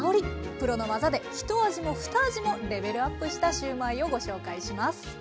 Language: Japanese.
プロの技でひと味もふた味もレベルアップしたシューマイをご紹介します。